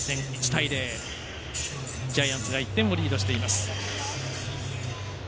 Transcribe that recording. １対０、ジャイアンツが１点をリードしています。